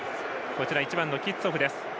１番のキッツォフです。